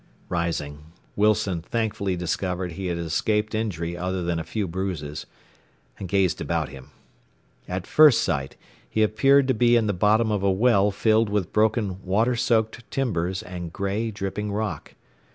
Rising, Wilson thankfully discovered he had escaped injury other than a few bruises, and gazed about him. At first sight he appeared to be in the bottom of a well filled with broken water soaked timbers and gray, dripping rock.